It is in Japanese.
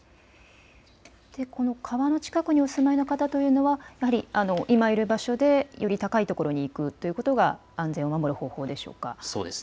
川の近くにお住まいの方というのはやはり今いる場所でより高いところに行くというところが安全を守る方法でしょうか。